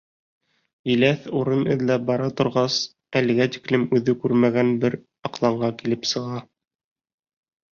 Еләҫ урын эҙләп бара торғас, әлегә тиклем үҙе күрмәгән бер аҡланға килеп сыға.